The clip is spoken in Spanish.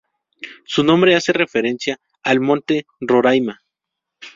Su nombre hace referencia al monte Roraima.